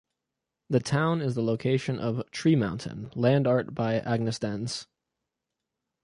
The town is the location of "Tree Mountain", Land Art by Agnes Denes.